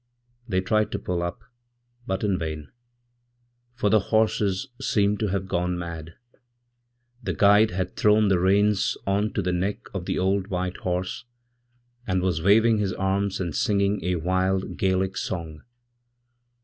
They tried to pull up, but in vain, for the horses seemed tohave gone mad. The guide had thrown the reins on to the neck of theold white horse, and was waving his arms and singing a wild Gaelicsong.